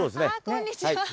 こんにちは。